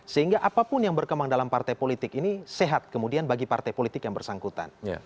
sehingga apapun yang berkembang dalam partai politik ini sehat kemudian bagi partai politik yang bersangkutan